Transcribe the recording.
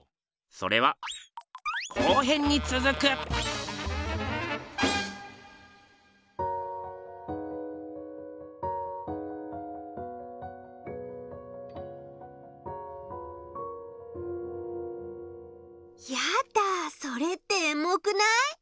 それはやだそれってエモくない？